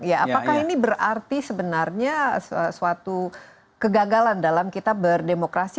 apakah ini berarti sebenarnya suatu kegagalan dalam kita berdemokrasi